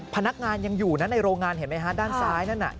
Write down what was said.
พนักงานยังอยู่นะในโรงงานเห็นไหมฮะด้านซ้ายนั่นน่ะ